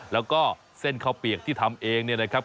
แล้วก็เส้นข้าวเปียกที่ทำเองเนี่ยนะครับ